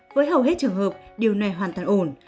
với hầu hết trường hợp điều này hoàn toàn ổn